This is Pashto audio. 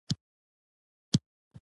له بلې خوا انګریزیان هیواد اشغالوي.